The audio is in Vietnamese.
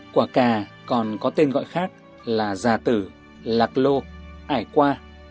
quả cà còn có tên gọi khác là già tử lạc lô ải qua